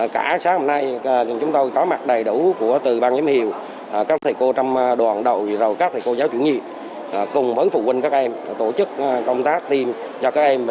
cả sáng hôm nay chúng tôi có mặt đầy đủ từ ban giám hiệu các thầy cô trong đoàn đầu các thầy cô giáo chủ nhiệm cùng với phụ huynh các em tổ chức công tác tiêm cho các em